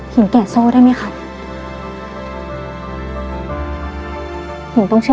หินแกะโซ่นะ